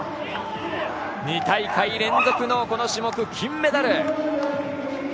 ２大会連続のこの種目、金メダル。